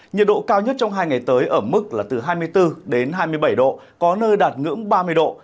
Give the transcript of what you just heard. nhiệt độ cao nhất trong hai ngày tới ở mức là từ hai mươi bốn đến hai mươi bảy độ có nơi đạt ngưỡng ba mươi độ